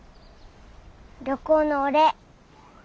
旅行のお礼。